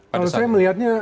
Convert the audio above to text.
kalau saya melihatnya